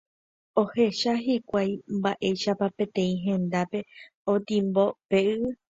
Ohecha hikuái mba'éichapa peteĩ hendápe otimbo pe yvy.